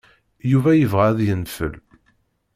Yuba yebɣa ad yenfel.